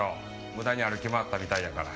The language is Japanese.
無駄に歩き回ったみたいやから。